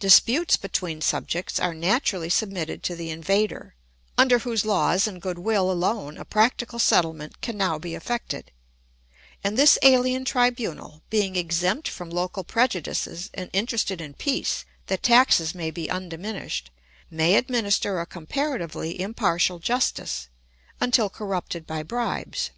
Disputes between subjects are naturally submitted to the invader, under whose laws and good will alone a practical settlement can now be effected; and this alien tribunal, being exempt from local prejudices and interested in peace that taxes may be undiminished, may administer a comparatively impartial justice, until corrupted by bribes.